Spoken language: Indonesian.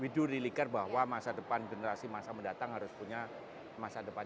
we do really care bahwa masa depan generasi masa mendatang harus punya masa depan